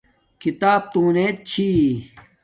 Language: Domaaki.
کھتاپ تونیت چھی